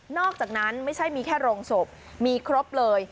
อกจากนั้นไม่ใช่มีแค่โรงศพมีครบเลย